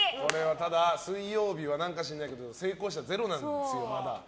ただ、水曜日は何か知らないけど成功者ゼロなんですよ、まだ。